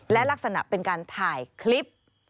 และลักษณะเป็นการถ่ายคลิป